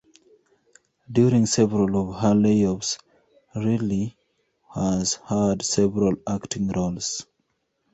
During several of her layoffs, Riley has had several acting roles.